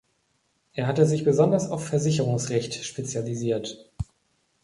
Er hatte sich besonders auf Versicherungsrecht spezialisiert.